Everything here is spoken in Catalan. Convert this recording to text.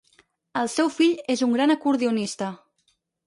El seu fill és un gran acordionista.